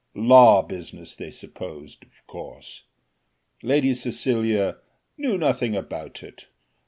Law business they supposed, of course. Lady Cecilia "knew nothing about it.